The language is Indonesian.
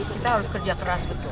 kita harus kerja keras betul